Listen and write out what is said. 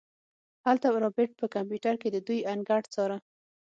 هلته رابرټ په کمپيوټر کې د دوئ انګړ څاره.